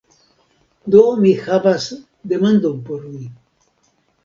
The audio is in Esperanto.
Do, mi havas demandon por vi